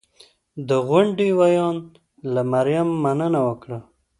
د غونډې ویاند له مریم مننه وکړه